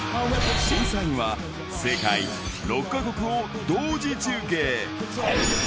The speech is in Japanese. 審査員は、世界６か国を同時中継。